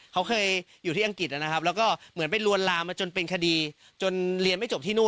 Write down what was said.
เขาเคยอยู่ที่อังกฤษนะครับแล้วก็เหมือนไปลวนลามมาจนเป็นคดีจนเรียนไม่จบที่นู่น